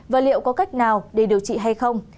và liệu có cách nào để điều trị hay không